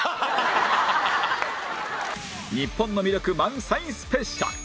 日本の魅力満載スペシャル